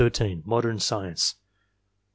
Modern science .